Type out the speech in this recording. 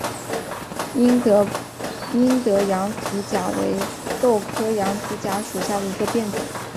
英德羊蹄甲为豆科羊蹄甲属下的一个变种。